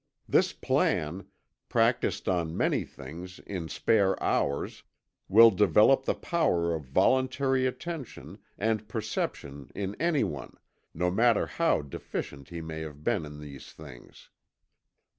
This plan, practiced on many things, in spare hours, will develop the power of voluntary attention and perception in anyone, no matter how deficient he may have been in these things.